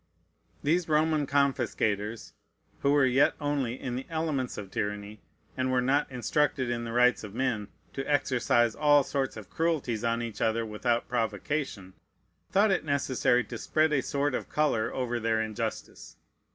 These Roman confiscators, who were yet only in the elements of tyranny, and were not instructed in the rights of men to exercise all sorts of cruelties on each other without provocation, thought it necessary to spread a sort of color over their injustice.